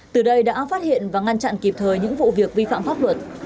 từ đây đã phát hiện và ngăn chặn kịp thời những vụ việc vi phạm pháp luật